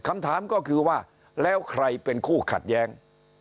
คำถามก็คือว่าแล้วใครเป็นคู่ขัดแย้ง